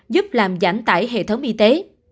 giúp làm giảm tải hệ thống y tế